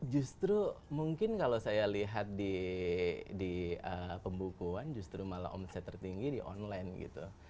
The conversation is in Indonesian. justru mungkin kalau saya lihat di pembukuan justru malah omset tertinggi di online gitu